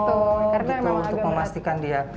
oh untuk memastikan dia